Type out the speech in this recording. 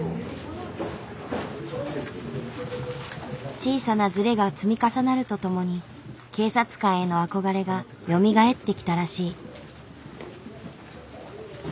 小さなずれが積み重なるとともに警察官への憧れがよみがえってきたらしい。